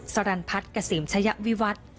สรรพัฒน์กระสิมชะยะวิวัต